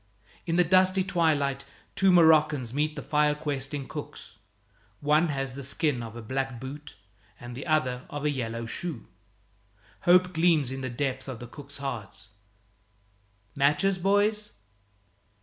In the dusty twilight two Moroccans meet the fire questing cooks. One has the skin of a black boot and the other of a yellow shoe. Hope gleams in the depths of the cooks' hearts. "Matches, boys?"